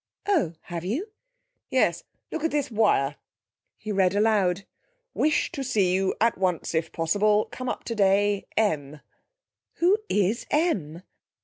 'Oh, have you?' 'Yes. Look at this wire.' He read aloud: 'Wish to see you at once if possible come up today M.' 'Who is 'M'?'